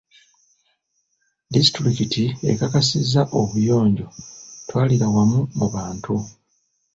Disitulikiti ekakasizza obuyonjo twalirawamu mu bantu.